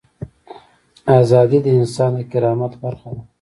ازادي د انسان د کرامت برخه ده.